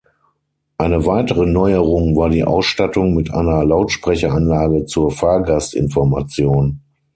Eine weitere Neuerung war die Ausstattung mit einer Lautsprecheranlage zur Fahrgastinformation.